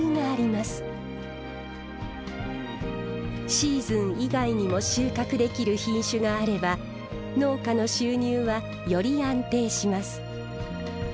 シーズン以外にも収穫できる品種があれば農家の収入はより安定します。